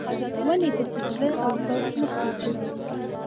ولې د ده زړه او ذوق نه سوزي.